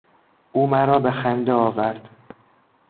او مرا به خنده آورد.